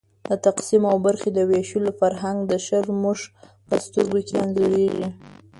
د تقسیم او برخې د وېشلو فرهنګ د شرمښ په سترګو کې انځورېږي.